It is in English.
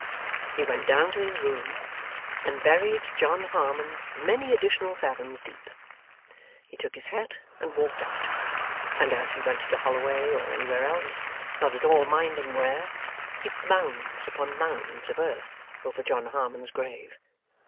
He went down to his room, and buried John Harmon many additional fathoms deep. He took his hat, and walked out, and, as he went to Holloway or anywhere else not at all minding where heaped mounds upon mounds of earth over John Harmon's grave.